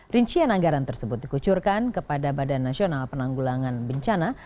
rincian anggaran tersebut dikucurkan kepada badan nasional penanggulangan bencana